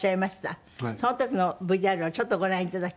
その時のＶＴＲをちょっとご覧頂きます。